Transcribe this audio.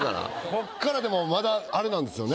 こっからでもまだあれなんですよね。